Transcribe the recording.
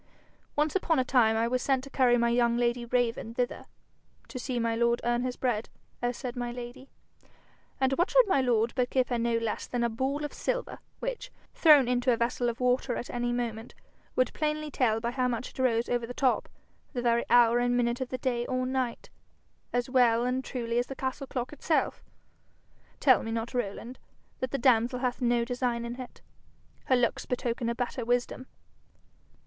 'Once upon a time I was sent to carry my young lady Raven thither to see my lord earn his bread, as said my lady: and what should my lord but give her no less than a ball of silver which, thrown into a vessel of water at any moment would plainly tell by how much it rose above the top, the very hour and minute of the day or night, as well and truly as the castle clock itself. Tell me not, Rowland, that the damsel hath no design in it. Her looks betoken a better wisdom.